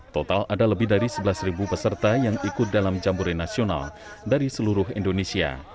total ada lebih dari sebelas peserta yang ikut dalam jambore nasional dari seluruh indonesia